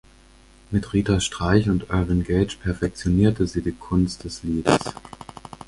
Mit Rita Streich und Irwin Gage perfektionierte sie die Kunst des Liedes.